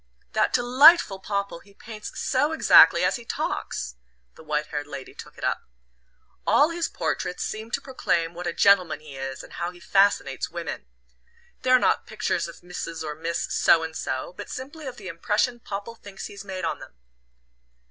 "That delightful Popple he paints so exactly as he talks!" the white haired lady took it up. "All his portraits seem to proclaim what a gentleman he is, and how he fascinates women! They're not pictures of Mrs. or Miss So and so, but simply of the impression Popple thinks he's made on them."